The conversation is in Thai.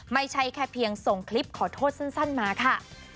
ไม่ใช่แค่เพียงส่งคลิปขอโทษสั้นมาค่ะ